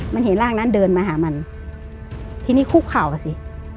มันเห็นร่างนั้นเดินมาหามันทีนี้คุกเข่าอ่ะสิ